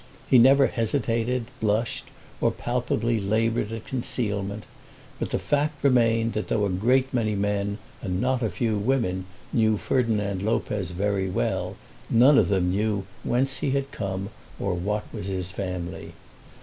He never hesitated, blushed, or palpably laboured at concealment; but the fact remained that though a great many men and not a few women knew Ferdinand Lopez very well, none of them knew whence he had come, or what was his family.